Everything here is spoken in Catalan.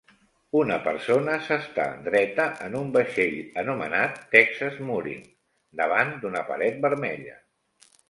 Una persona s'està dreta en un vaixell anomenat "Texas Mooring" davant d'una paret vermella.